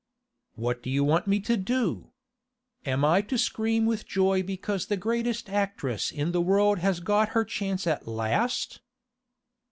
'What do you want me to do? Am I to scream with joy because the greatest actress in the world has got her chance at last?